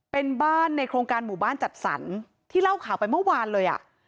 เป็นบ้านในโครงการหมู่บ้านจัดสรรที่เล่าข่าวไปเมื่อวานเลยอ่ะ